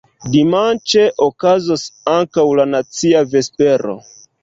Dimanĉe okazos ankaŭ la nacia vespero.